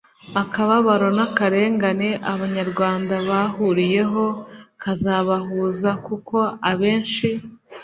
akababaro n’akarengane abanyarwanda bahuriyeho kazabahuza kuko abenshi